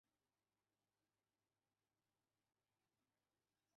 তিনি অন্যান্য শিল্পীদের সঙ্গে কিছু অ্যালবামের উৎপাদনে তার নিজের কণ্ঠে গান পরিবেশন করেছেন।